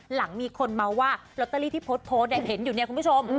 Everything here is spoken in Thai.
หลังมีคนเมาส์ว่าลอตเตอรี่ที่โพสต์เนี่ยเห็นอยู่เนี่ยคุณผู้ชม